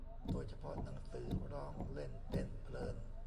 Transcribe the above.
โดยเฉพาะ หนังสือ ร้องเล่นเต้นเพลิน